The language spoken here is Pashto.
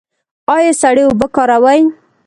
ایا سړې اوبه کاروئ؟